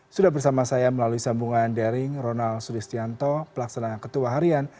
sudah bersama saya melalui sambungan daring ronald sulistianto pelaksanaan ketua harian